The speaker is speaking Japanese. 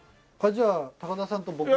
じゃあ高田さんと僕で。